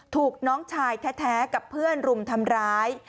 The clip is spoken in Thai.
ถูกน้องชายแท้กับเพื่อนรุมทำร้าย